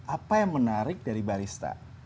apa yang menarik dari barista